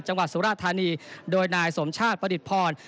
จังหวัดสุราธารณีย์โดยนายสมชาติประดิษภรณ์